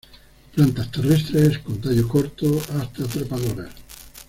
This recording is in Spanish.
Plantas terrestres con tallo corto hasta trepadoras.